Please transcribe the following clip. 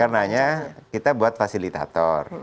karena kita buat fasilitator